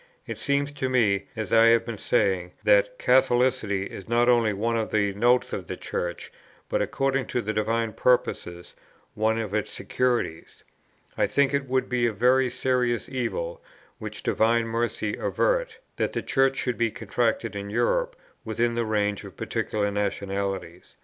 It seems to me, as I have been saying, that Catholicity is not only one of the notes of the Church, but, according to the divine purposes, one of its securities. I think it would be a very serious evil, which Divine Mercy avert! that the Church should be contracted in Europe within the range of particular nationalities.